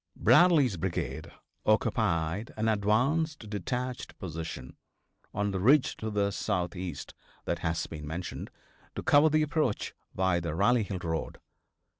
Bradley's brigade occupied an advanced, detached position, on the ridge to the southeast that has been mentioned, to cover the approach by the Rally Hill road.